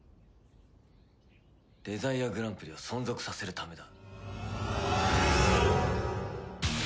デザイアグランプリを存続させるためだ。